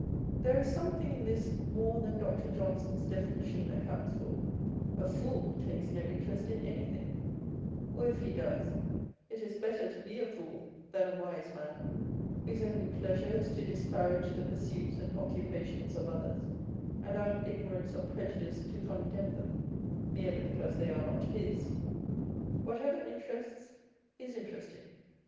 There is something in this more than Dr. Johnson's definition accounts for. A fool takes no interest in anything ; or if he does, it is better to be a fool than a wise man whose only pleasure is to disparage the pursuits and occupations of others, and out of ignorance or prejudice to condemn them, merely because they are not Ms. Whatever interests, is interesting.